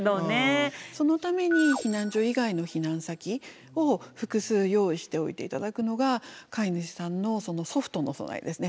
そのために避難所以外の避難先を複数用意しておいて頂くのが飼い主さんのソフトの備えですね。